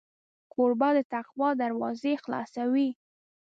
کوربه د تقوا دروازې خلاصوي.